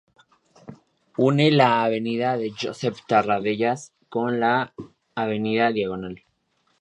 Une la avenida de Josep Tarradellas con la avenida Diagonal.